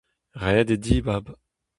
Ret eo dibab.